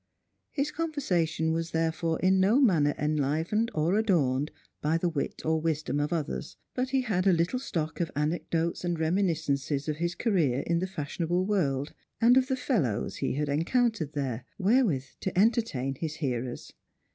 His conversa tion was therefore in no manner enlivened or adorned by the wit and wisdom of others ; but he had a little stock of anec dotes and reminiscences of his career in the fashionable world, and of the " fellows" he had encountered there, wherewith to entertain his hearers.